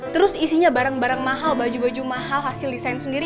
terus isinya barang barang mahal baju baju mahal hasil desain sendiri